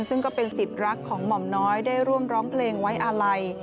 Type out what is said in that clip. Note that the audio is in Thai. ซึ่งก็เป็นสิทธิ์รักของหม่อมน้อยได้ร่วมร้องเพลงไว้อาลัย